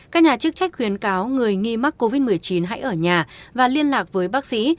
các nhà chức trách khuyến cáo người nghi mắc covid một mươi chín hãy ở nhà và liên lạc với bác sĩ